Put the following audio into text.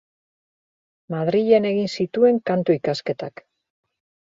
Madrilen egin zituen Kantu ikasketak.